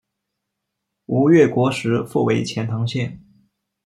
吴越国时复为钱唐县。